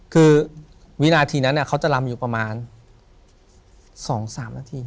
คือวินาทีนั้นเขาจะลำอยู่ประมาณ๒๓นาที